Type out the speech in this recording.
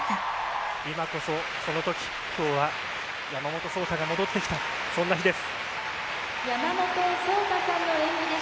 今こそそのとき山本草太が戻ってきたその日です。